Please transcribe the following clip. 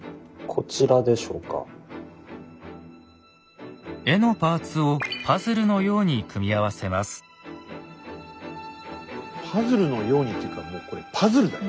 もうパズルのようにというかもうこれパズルだよ。